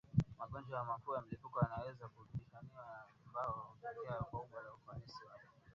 magonjwa makuu ya mlipuko yanayoweza kubainishwa ambayo hutokea katika eneo kubwa lakini ufanisi wake